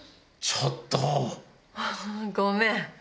ちょっと！ごめん。